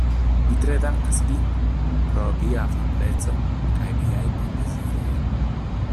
Mi tre dankas vin pro via afableco kaj viaj bondeziroj.